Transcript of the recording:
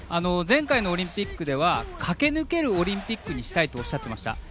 前回のオリンピックでは駆け抜けるオリンピックにしたいとおっしゃっていました。